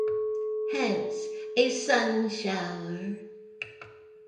Hence, a sunshower.